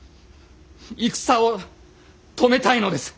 戦を止めたいのです。